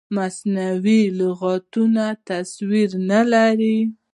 مصنوعي لغتونه تصویر نه لري.